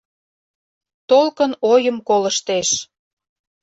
Толкын ойым колыштеш